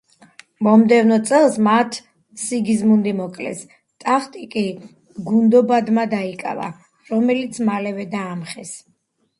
მომდევნო წელს მათ სიგიზმუნდი მოკლეს, ტახტი კი გუნდობადმა დაიკავა, რომელიც მალევე დაამხეს.